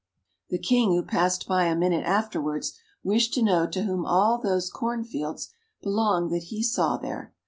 The King, who passed by a minute afterwards, wished to know to whom all those cornfields belonged that he saw there.